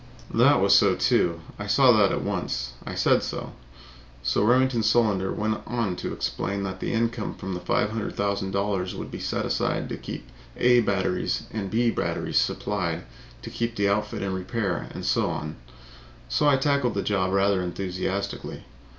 That was so, too. I saw that at once. I said so. So Remington Solander went on to explain that the income from the five hundred thousand dollars would be set aside to keep "A" batteries and "B" batteries supplied, to keep the outfit in repair, and so on. So I tackled the job rather enthusiastically.